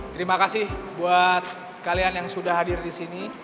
terima kasih buat kalian yang sudah hadir di sini